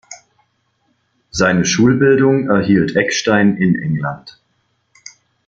Seine Schulbildung erhielt Eckstein in England.